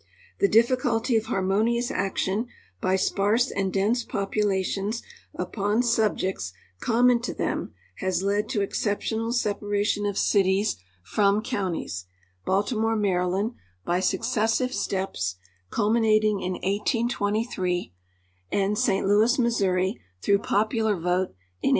The difficulty of harmonious action by sparse and dense popu lations upon subjects common to them has led to exceptional separation of cities from counties — Baltimore, Maryland, by suc cessive steps, culminating in 1823, and St. Louis, Missouri, througli popular vote in 1876.